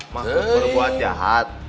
maksud berbuat jahat